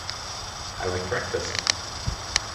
I like breakfast.